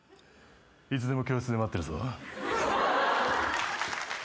いつでも教室で待ってるぞ。